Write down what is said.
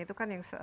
itu kan yang